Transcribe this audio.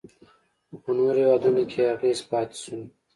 خو په نورو هیوادونو کې یې اغیز پاتې شو